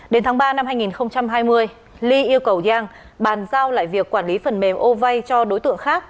đến tháng ba năm hai nghìn hai mươi ly yêu cầu giang bàn giao lại việc quản lý phần mềm ô vay cho đối tượng khác